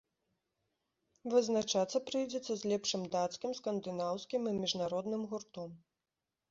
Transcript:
Вызначацца прыйдзецца з лепшым дацкім, скандынаўскім і міжнародным гуртом.